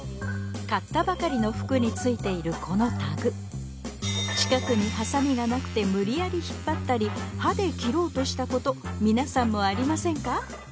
買ったばかりの服についているこのタグ近くにハサミがなくて無理やり引っ張ったり歯で切ろうとしたこと皆さんもありませんか？